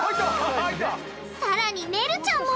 さらにねるちゃんも！